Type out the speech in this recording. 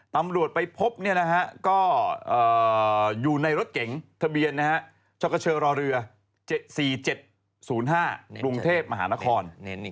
ตำรวจไปพบก็อยู่ในรถเก๋งทะเบียนชกเชอรอเรือ๗๔๗๐๕กรุงเทพมหานคร